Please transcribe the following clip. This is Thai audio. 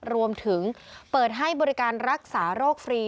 รวมถึงเปิดให้บริการรักษาโรคฟรี